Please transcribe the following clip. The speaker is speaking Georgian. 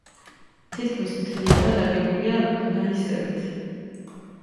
თითქმის მთლიანად აგებულია გნაისებით.